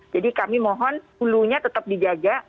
jadi kami mohon ulunya tetap dijaga